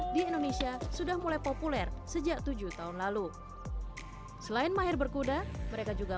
di indonesia sudah mulai populer sejak tujuh tahun lalu selain mahir berkuda mereka juga